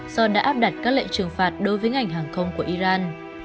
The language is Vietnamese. do đã áp đặt các lệnh trừng phạt đối với ngành hàng không của iran